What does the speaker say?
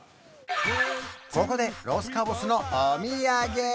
ここでロス・カボスのお土産！